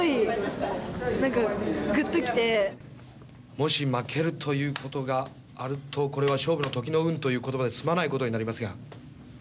もし負けるということがあるとこれは勝負の時の運という言葉で済まないことになりますが。